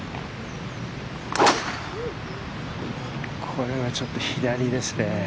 これはちょっと左ですね。